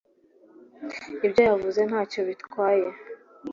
Ibyo yavuze ntacyo bitwaye